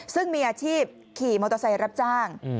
ซึ่งมีอาชีพขี่มอเตอร์ไซค์รับจ้าง